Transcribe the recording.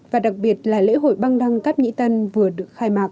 và đặc biệt là lễ hội băng đăng cáp nhĩ tân vừa được khai mạc